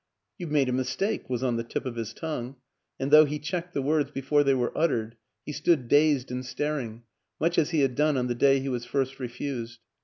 " You've made a mistake," was on the tip of his tongue, and though he checked the words before they were uttered, he stood dazed and staring, much as he had done on the day he was first refused.